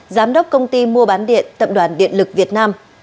giám đốc công ty mua bán điện tập đoàn điện lực việt nam